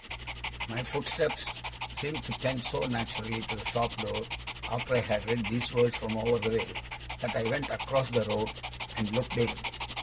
My footsteps seemed to tend so naturally to the shop door, after I had read these words from over the way, that I went across the road and looked in.